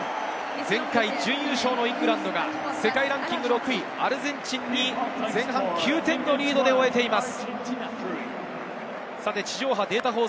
前回、準優勝のイングランドが世界ランキング６位アルゼンチンに９点のリードで終えています。